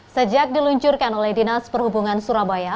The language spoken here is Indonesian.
sejak diluncurkan oleh dinas perhubungan surabaya